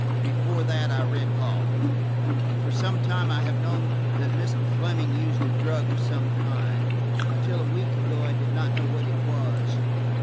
Before that I read law. For some time I have known that Mr. Fleming used a drug of some kind. Until a week ago I did not know what it was.